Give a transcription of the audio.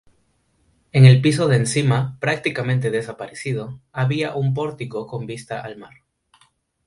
En el piso de encima, prácticamente desaparecido, había un pórtico con vista al mar.